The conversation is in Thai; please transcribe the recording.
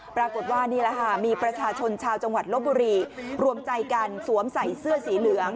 ปรากฏว่านี่แหละค่ะมีประชาชนชาวจังหวัดลบบุรีรวมใจกันสวมใส่เสื้อสีเหลือง